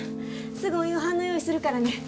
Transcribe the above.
すぐお夕飯の用意するからね